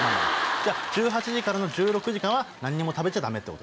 １８時からの１６時間は何も食べちゃダメってことだ。